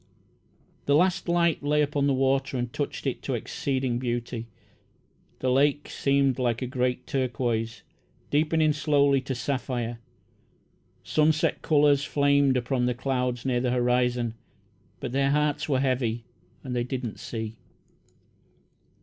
The last light lay upon the water and touched it to exceeding beauty. The lake seemed like a great turquoise, deepening slowly to sapphire. Sunset colours flamed upon the clouds near the horizon, but their hearts were heavy, and they did not see.